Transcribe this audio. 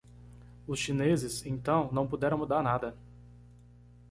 Os chineses, então, não puderam mudar nada.